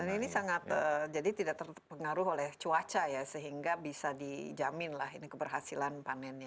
ini sangat jadi tidak terpengaruh oleh cuaca ya sehingga bisa dijamin lah ini keberhasilan panennya